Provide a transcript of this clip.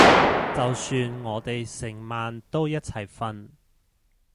就算我哋成晚都一齊瞓